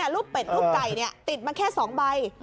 รูปเป็ดรูปไก่ติดมาแค่๒ใบ